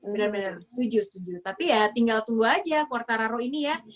benar benar setuju setuju tapi ya tinggal tunggu aja quartararo ini ya